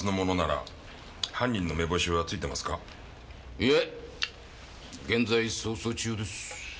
いえ現在捜査中です。